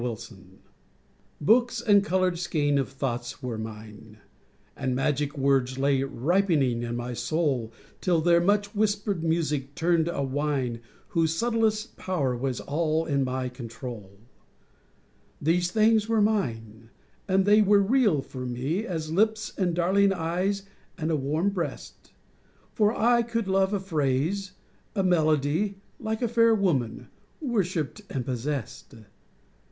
POEM Books and a coloured skein of thoughts were mine; And magic words lay ripening in my soul Till their much whispered music turned a wine Whose subtlest power was all in my control. These things were mine, and they were real for me As lips and darling eyes and a warm breast: For I could love a phrase, a melody, Like a fair woman, worshipped and possessed.